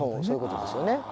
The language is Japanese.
そういうことですよね。